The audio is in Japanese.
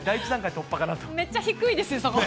めっちゃ低いですね、そこ。